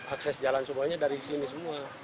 akses jalan semuanya dari sini semua